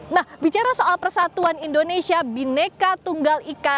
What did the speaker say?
nah bicara soal persatuan indonesia bhinneka tunggal ika